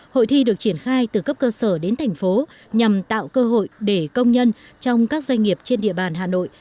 hội thi được triển khai từ cấp cơ sở đến thành phố nhằm tạo cơ hội để công nhân trong các doanh nghiệp trên địa bàn hà nội